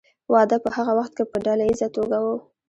واده په هغه وخت کې په ډله ایزه توګه و.